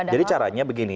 jadi caranya begini